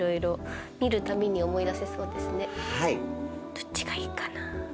どっちがいいかな。